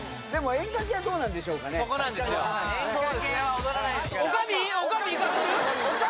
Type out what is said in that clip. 演歌系は踊らないすから女将